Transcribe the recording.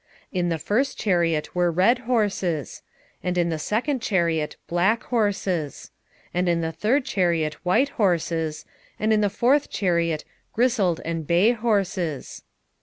6:2 In the first chariot were red horses; and in the second chariot black horses; 6:3 And in the third chariot white horses; and in the fourth chariot grisled and bay horses.